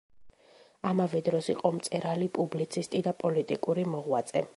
ამავე დროს, იყო მწერალი, პუბლიცისტი და პოლიტიკური მოღვაწე.